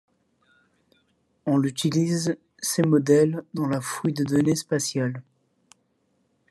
On l'utilise ces modèles dans la fouille de données spatiales.